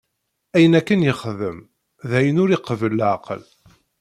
Ayen akken yexdem, d ayen ur iqebbel leɛqel.